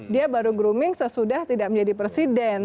dia baru grooming sesudah tidak menjadi presiden